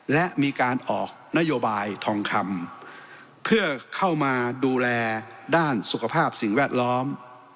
และมีการออกนโยบายทองคำเพื่อเข้ามาดูแลด้านสุขภาพสิ่งแวดล้อม